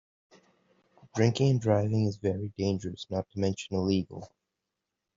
Drinking and driving Is very dangerous, not to mention illegal.